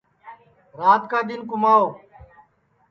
رات کا دؔن کُماو